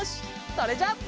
それじゃあ。